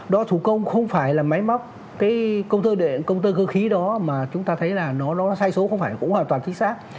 đo thủ công không phải là máy móc cái công tơ cơ khí đó mà chúng ta thấy là nó sai số không phải cũng hoàn toàn thích xác